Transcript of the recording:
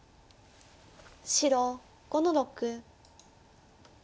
白５の六。